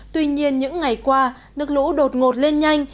tuy nhiên những ngày qua nước lũ đột ngột lên nhanh